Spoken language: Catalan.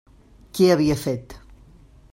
Què havia fet?